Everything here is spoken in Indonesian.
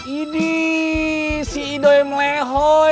ini si ido yang melehoi